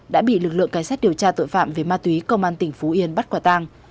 đã bị lực lượng cái sát điều tra tội phạm về ma túy công an tỉnh phú yên bắt quả tang